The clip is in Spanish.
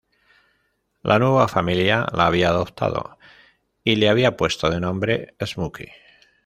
La nueva familia la había adoptado y le había puesto de nombre "Smokey".